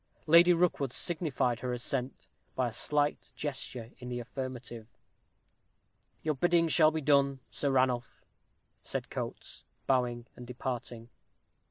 Lady Rookwood signified her assent by a slight gesture in the affirmative. "Your bidding shall be done, Sir Ranulph," said Coates, bowing and departing.